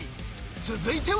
［続いては］